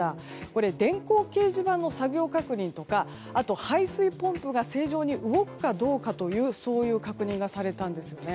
これ、電光掲示板の作業確認とか排水ポンプが正常に動くかどうかという確認がされたんですよね。